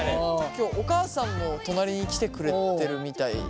今日お母さんも隣に来てくれてるみたい。